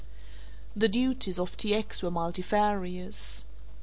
The duties of T. X. were multifarious.